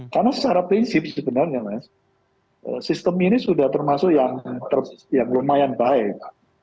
karena secara prinsip sebenarnya sistem ini sudah termasuk yang lumayan baik